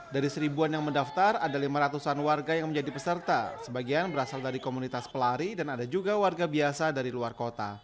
dari seribuan yang mendaftar ada lima ratus an warga yang menjadi peserta sebagian berasal dari komunitas pelari dan ada juga warga biasa dari luar kota